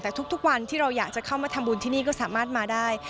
แต่ทุกวันที่เราอยากจะเข้ามาทำบุญที่นี่ก็สามารถมาได้